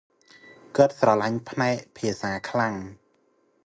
គាត់ស្រលាញ់ផ្នែកភាសាខ្លាំង ។